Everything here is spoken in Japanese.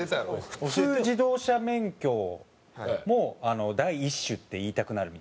「普通自動車免許」も「第一種」って言いたくなるみたいな。